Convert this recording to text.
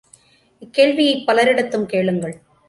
இக்கேள்விகளைப் பலரிடத்தும் கேளுங்கள்.